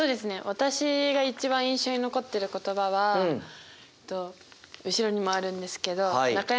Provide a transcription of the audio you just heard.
私が一番印象に残ってる言葉は後ろにもあるんですけど中山